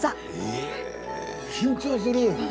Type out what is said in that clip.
え緊張する！